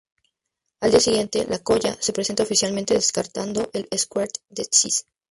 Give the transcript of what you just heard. Al día siguiente, la "Colla" se presenta oficialmente, descargando el "quatre de sis".